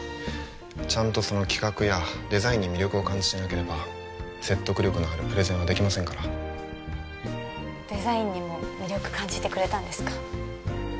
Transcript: ちゃんとその企画やデザインに魅力を感じてなければ説得力のあるプレゼンはできませんからデザインにも魅力感じてくれたんですか？